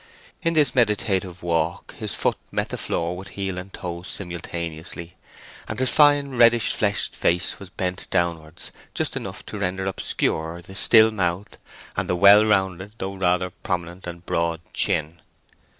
In this meditative walk his foot met the floor with heel and toe simultaneously, and his fine reddish fleshed face was bent downwards just enough to render obscure the still mouth and the well rounded though rather prominent and broad chin.